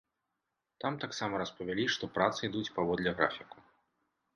Там таксама распавялі, што працы ідуць паводле графіку.